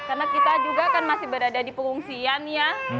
karena kita juga kan masih berada di pengungsian ya